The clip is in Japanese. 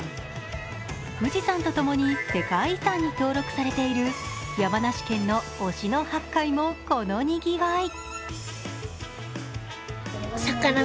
富士山とともに世界遺産に登録されている山梨県の忍野八海もこのにぎわい。